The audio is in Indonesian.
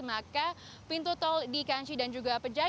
maka pintu tol dikanci dan juga pejagaan